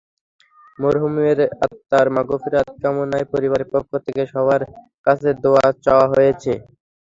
মরহুমের আত্মার মাগফিরাত কামনায় পরিবারের পক্ষ থেকে সবার কাছে দোয়া চাওয়া হয়েছে।